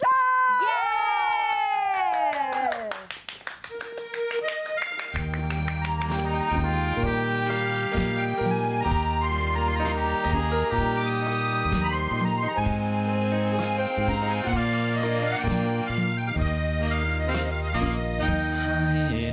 ให้เหนื่อยเท่าไหร่ได้นอนก็หายไม่บ่น